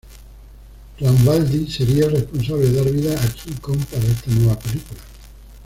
Rambaldi sería el responsable de dar vida a King Kong para esta nueva película.